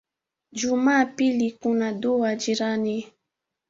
Juma pili kuna dua jirani.